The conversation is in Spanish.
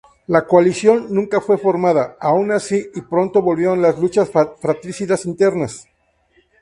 La coalición nunca fue formada, aun así, y pronto volvieron las luchas fratricidas internas.